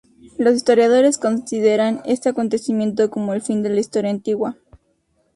Los historiadores consideran este acontecimiento como el fin de la Historia Antigua.